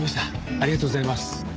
ありがとうございます。